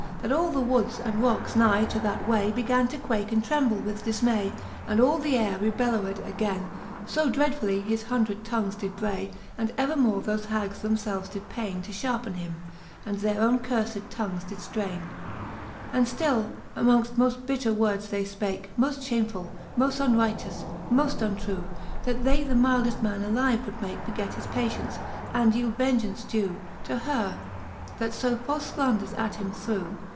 That all the woods and rockes nigh to that way, Began to quake and tremble with difmay ; And all the aire rebellowed againe. So dreadfully his hundred tongues did bray, And evermore thofe hags them lelves did paine. To fharpen him, and their owne curfed tongs did ftraine. Vol. III. D d XLII. And toi The fifth Booke of Cant. I. XLII. And ftlU among moft bitter wordes they fpake, Moft lliamefull, moft unrighteous, moft untrew, That they the mildeft man alive would make Forget his patience, and yeeld vengeauncedew To her, that ib falfe Iclaunders at him threw.